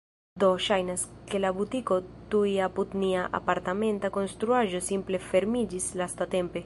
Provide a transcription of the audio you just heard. Do, ŝajnas, ke la butiko tuj apud nia apartamenta konstruaĵo simple fermiĝis lastatempe